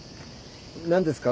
何ですか？